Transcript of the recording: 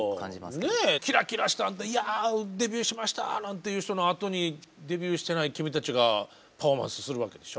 キラキラした「いやデビューしました」なんていう人のあとにデビューしてない君たちがパフォーマンスするわけでしょ？